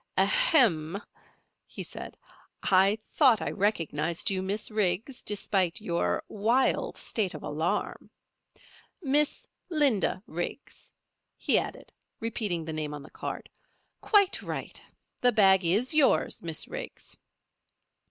"Ahem!" he said. "I thought I recognized you, Miss Riggs, despite your wild state of alarm. 'Miss Linda Riggs,'" he added, repeating the name on the card. "Quite right. The bag is yours, Miss Riggs."